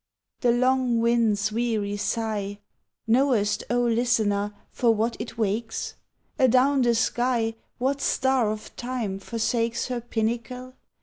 The long wind's weary sigh — Knowest, O listener I for what it wakes*? Adown the sky What star of Time forsakes Her pinnacle'?